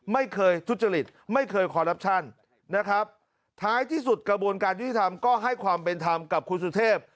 ไม่เคยทุจริตไม่เคยขอรับชันนะครับท้ายที่สุดกระบวนการที่ที่ทำก็ให้ความเป็นทำกับคุณสุทธิบ